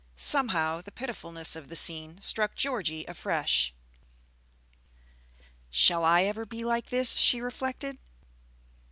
Somehow the pitifulness of the scene struck Georgie afresh. "Shall I ever be like this?" she reflected.